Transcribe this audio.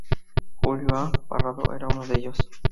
Julio A. Parrado era uno de ellos.